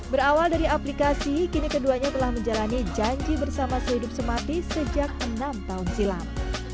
berawal dari aplikasi kini keduanya telah menjalani janji bersama sehidup semati sejak enam tahun silam